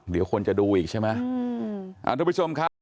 เดี๋ยวควรจะดูอีกใช่ไหม